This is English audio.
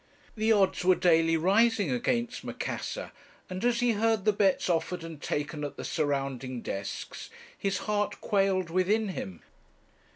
The odds were daily rising against Macassar, and as he heard the bets offered and taken at the surrounding desks, his heart quailed within him.